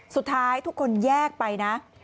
สุดท้ายทุกคนแยกไปนะ